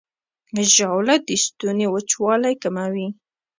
ژاوله د ستوني وچوالی کموي.